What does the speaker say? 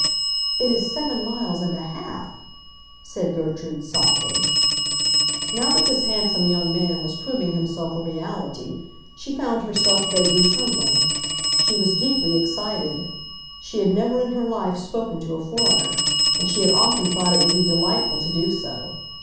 "It is seven miles and a half," said Gertrude, softly. Now that this handsome young man was proving himself a reality she found herself vaguely trembling; she was deeply excited. She had never in her life spoken to a foreigner, and she had often thought it would be delightful to do so.